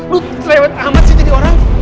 lu lewat amat sih jadi orang